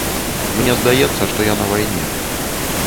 Мне здаецца, што я на вайне.